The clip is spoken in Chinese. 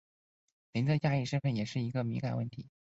林的亚裔身份也是一个敏感问题。